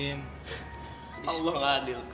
allah adil kak